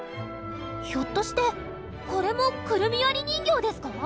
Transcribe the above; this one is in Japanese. ひょっとしてこれも「くるみ割り人形」ですか？